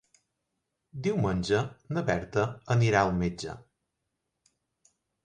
Diumenge na Berta anirà al metge.